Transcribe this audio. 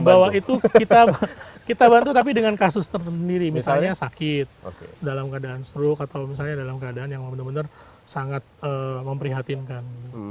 bahwa itu kita bantu tapi dengan kasus tertentu misalnya sakit dalam keadaan stroke atau misalnya dalam keadaan yang benar benar sangat memprihatinkan